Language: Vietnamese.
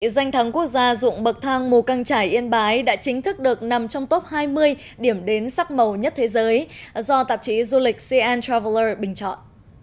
danh thắng quốc gia dụng bậc thang mù căng trải yên bái đã chính thức được nằm trong top hai mươi điểm đến sắc màu nhất thế giới do tạp chí du lịch cn travel bình chọn